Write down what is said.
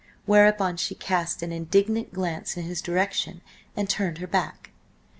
Whereupon she cast an indignant glance in his direction, and turned her back.